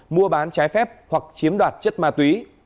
mua bán trái phép hoặc chiếm đoạt chất ma túy